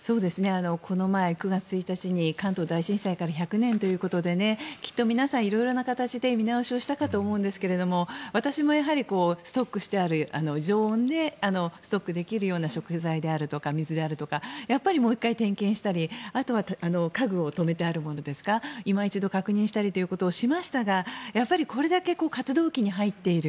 この前、９月１日に関東大震災から１００年ということできっと皆さん色々な形で見直しをしたかと思うんですが私もやはりストックしてある常温でストックできるような食材であるとか水であるとかもう１回点検したりあとは家具を止めてあるものですからいま一度確認したりとしましたがやはりこれだけ活動期に入っている。